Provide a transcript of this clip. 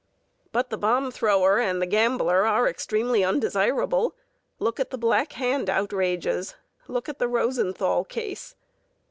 But the bomb thrower and the gambler are extremely undesirable. Look at the Black Hand outrages, look at the Rosenthal case!